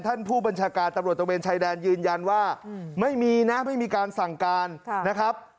ท่านผู้บัญชาการตำรวจตะเวนชายแดนยืนยันว่าไม่มีนะไม่มีการสั่งการนะครับ